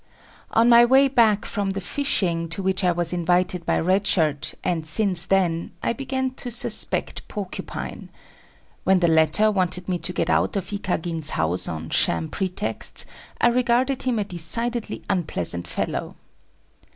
On my way back from the fishing to which I was invited by Red Shirt, and since then, I began to suspect Porcupine. When the latter wanted me to get out of Ikagin's house on sham pretexts, I regarded him a decidedly unpleasant fellow.